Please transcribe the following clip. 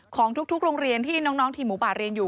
ของทุกโรงเรียนที่น้องทีมหมูป่าเรียนอยู่